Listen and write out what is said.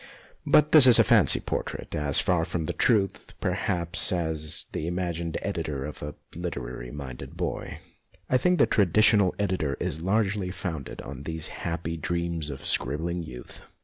But this is a fancy portrait as far from the truth, perhaps, as the imagined editor of a literary minded boy. I think the tradi tional editor is largely founded on these ON EDITORS 155 happy dreams of scribbling youth.